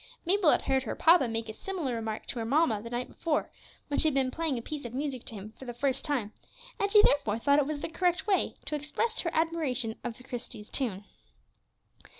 Mabel had heard her papa make a similar remark to her mamma the night before, when she had been playing a piece of music to him for the first time, and she therefore thought it was the correct way to express her admiration of Christie's tune.